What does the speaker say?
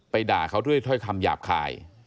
ไปด่าเขาด้วยคำหยาบคาย